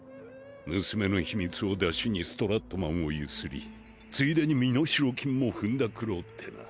娘の秘密をダシにストラットマンを強請りついでに身代金もふんだくろうってな。